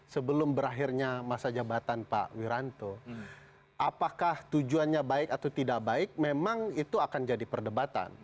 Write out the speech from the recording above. sebelum berakhirnya masa jabatan pak wiranto apakah tujuannya baik atau tidak baik memang itu akan jadi perdebatan